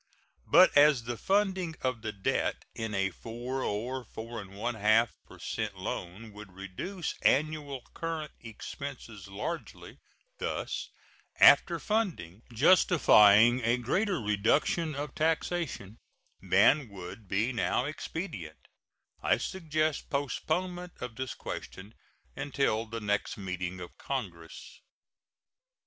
But as the funding of the debt in a 4 or a 4 1/2 per cent loan would reduce annual current expenses largely, thus, after funding, justifying a greater reduction of taxation than would be now expedient, I suggest postponement of this question until the next meeting of Congress.